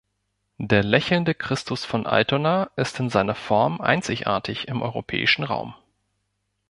Der lächelnde Christus von Altona ist in seiner Form einzigartig im europäischen Raum.